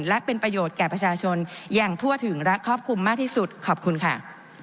และเป็นประโยชน์แก่ประชาชนอย่างทั่วถึงและครอบคลุมมากที่สุดขอบคุณค่ะ